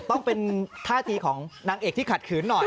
ต้องเป็นท่าทีของนางเอกที่ขัดขืนหน่อย